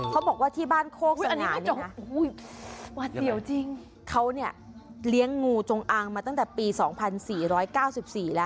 เขาเนี่ยเลี้ยงงูจงอั้งมาตั้งแต่๒๔๙๔ปีแล้ว